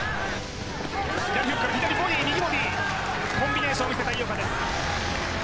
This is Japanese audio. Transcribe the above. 左フックから左ボディー右ボディーコンビネーションを見せた井岡です